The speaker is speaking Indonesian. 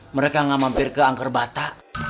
mereka gak mampir ke angkerbata